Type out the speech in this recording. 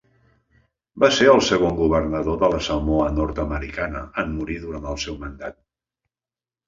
Va ser el segon governador de la Samoa Nord-americana en morir durant el seu mandat.